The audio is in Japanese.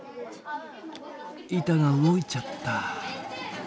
板が動いちゃった。